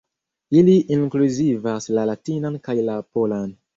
Ili inkluzivas la latinan kaj la polan.